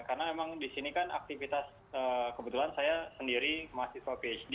karena emang di sini kan aktivitas kebetulan saya sendiri masih soal phd